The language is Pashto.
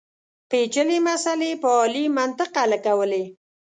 پېچلې مسلې په عالي منطق حل کولې.